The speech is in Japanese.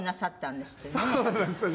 そうなんですよね。